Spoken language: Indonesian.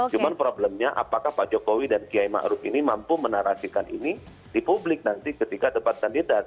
cuman problemnya apakah pak jokowi dan kiai ma'ruf ini mampu menarasikan ini di publik nanti ketika tepat kandidat